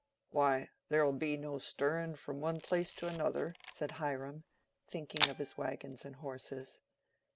"Why, there'll be no stirrin' from one pla ace to another," said Hiram, thinking of his wagon and horses.